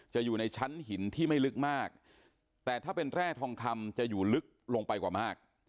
อยู่ในชั้นหินที่ไม่ลึกมากแต่ถ้าเป็นแร่ทองคำจะอยู่ลึกลงไปกว่ามาก